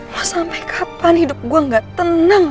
wah sampai kapan hidup gue gak tenang